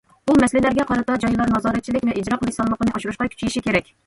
بۇ مەسىلىلەرگە قارىتا جايلار نازارەتچىلىك ۋە ئىجرا قىلىش سالمىقىنى ئاشۇرۇشقا كۈچىشى كېرەك.